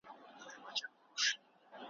د بادار کور `